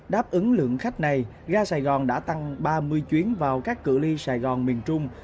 đáp ứng lượng khách này ga sài gòn đã tăng ba mươi chuyến vào các cửa ly sài gòn miền trung